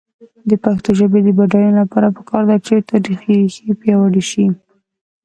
د پښتو ژبې د بډاینې لپاره پکار ده چې تاریخي ریښې پیاوړې شي.